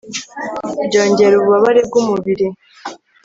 byongera ububabare bwu mubiri